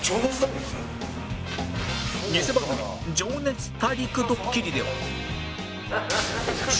偽番組『情熱太陸』ドッキリでは